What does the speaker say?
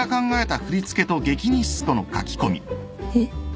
えっ？